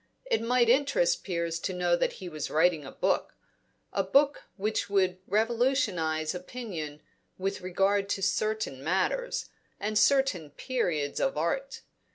It might interest Piers to know that he was writing a book a book which would revolutionise opinion with regard to certain matters, and certain periods of art.